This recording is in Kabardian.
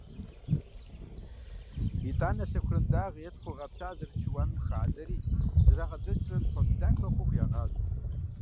ИтӀанэ сэхуран дагъэ е тхъу къэплъа зэрыт шыуаным хадзэри, зэрагъэдзэкӀыурэ тхъуэплъ дахэ хъуху, ягъажьэ.